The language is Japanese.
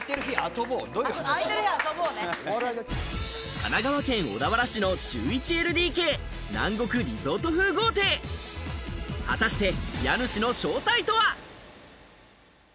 神奈川県小田原市の１１ＬＤＫ南国リゾート風豪邸、果たして家主の正体とは？